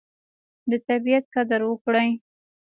د طبیعت قدر وکړئ.